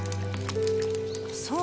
そう。